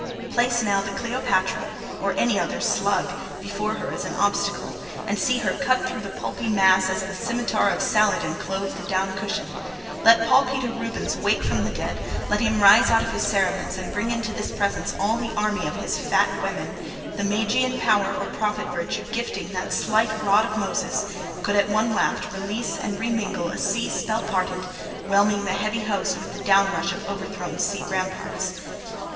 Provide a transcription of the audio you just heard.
Place now the Cleopatra, or any other slug, before her as an obstacle, and see her cut through the pulpy mass as the scimitar of Saladin clove the down cushion. Let Paul Peter Rubens wake from the dead, let him rise out of his cerements, and bring into this presence all the army of his fat women; the magian power or prophet virtue gifting that slight rod of Moses, could, at one waft, release and re mingle a sea spell parted, whelming the heavy host with the down rush of overthrown sea ramparts.